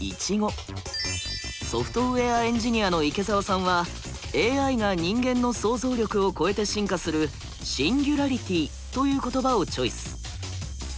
ソフトウエアエンジニアの池澤さんはＡＩが人間の想像力を超えて進化する「シンギュラリティ」という言葉をチョイス。